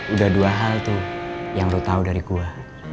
udah dua hal tuh yang lo tau dari gue